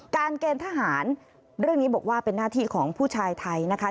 เกณฑ์ทหารเรื่องนี้บอกว่าเป็นหน้าที่ของผู้ชายไทยนะคะ